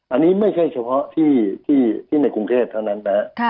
อันนี้ไม่ใช่เฉพาะที่ในกรุงเทพเท่านั้นนะครับ